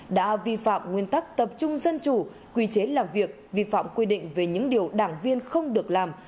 đã vi phạm nguyên tắc tập trung dân chủ quy chế làm việc vi phạm quy định về những điều đảng viên không được làm